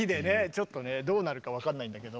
ちょっとねどうなるか分かんないんだけど。